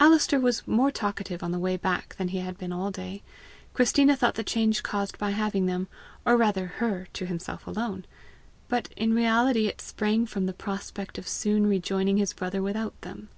Alister was more talkative on the way back than he had been all day. Christina thought the change caused by having them, or rather her, to himself alone; but in reality it sprang from the prospect of soon rejoining his brother without them.